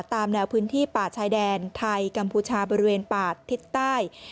ตามแนวพื้นที่ป่าชายแดนไทยกัมพูชาบริเวณป่าทิศใต้